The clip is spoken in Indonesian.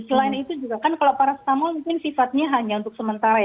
selain itu juga kan kalau paracetamol mungkin sifatnya hanya untuk sementara ya